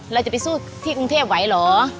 เราจะไปสู้ที่กรุงเทพไหวเหรอ